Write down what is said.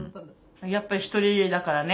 やっぱり独りだからね。